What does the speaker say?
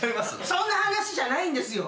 そんな話じゃないんですよ。